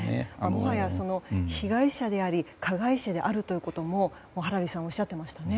もはや、被害者であり加害者であるということもハラリさんはおっしゃっていましたね。